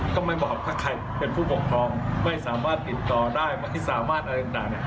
ก็ไม่บอกถ้าใครเป็นผู้ปกครองไม่สามารถติดต่อได้วันที่สามารถอะไรต่าง